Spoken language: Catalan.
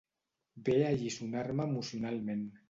Ve a alliçonar-me emocionalment.